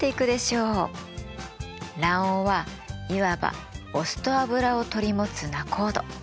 卵黄はいわばお酢と油を取り持つ仲人。